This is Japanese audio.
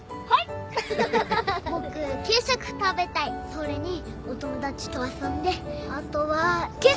それにお友達と遊んであとは給食食べたい。